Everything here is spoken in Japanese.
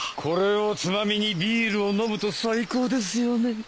これをつまみにビールを飲むと最高ですよね。